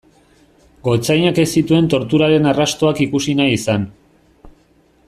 Gotzainak ez zituen torturaren arrastoak ikusi nahi izan.